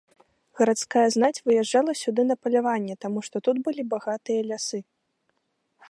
Гарадская знаць выязджала сюды на паляванне, таму што тут былі багатыя лясы.